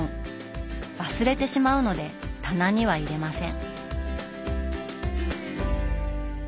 忘れてしまうので棚には入れません。